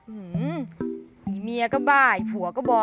อื่อไอ้เมียก็บ้าไอ้ผัวก็บอก